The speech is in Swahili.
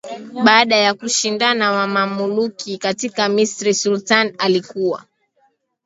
Baada ya kushinda Wamamaluki katika Misri sultani alikuwa